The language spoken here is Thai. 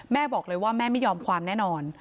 แม่บอกเลยว่าแม่ไม่ยอมความแน่นอน